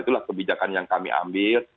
itulah kebijakan yang kami ambil